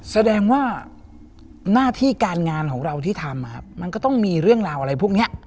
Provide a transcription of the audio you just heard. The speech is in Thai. แสดงว่าหน้าที่การงานของเราที่ทำมันก็ต้องมีเรื่องราวอะไรพวกนี้